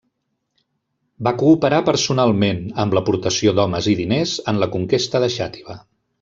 Va cooperar personalment, amb l'aportació d'homes i diners, en la conquesta de Xàtiva.